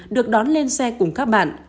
được đón lên xe cùng các bạn